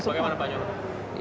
bagaimana pak jokowi